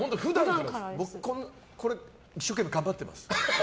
僕、これは一生懸命頑張ってます。